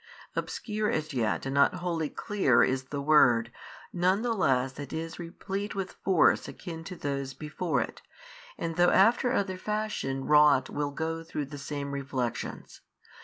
Obscure as yet and not wholly clear is the word, none the less it is replete with force akin to those before it, and though after other fashion wrought will go through the same reflections.